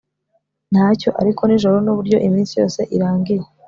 ntacyo ariko nijoro. nuburyo iminsi yose irangiye